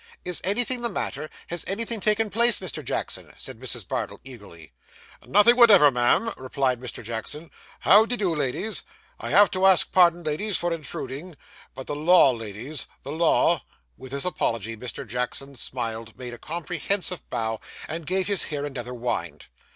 'Is anything the matter? Has anything taken place, Mr. Jackson?' said Mrs. Bardell eagerly. 'Nothing whatever, ma'am,' replied Mr. Jackson. 'How de do, ladies? I have to ask pardon, ladies, for intruding but the law, ladies the law.' With this apology Mr. Jackson smiled, made a comprehensive bow, and gave his hair another wind.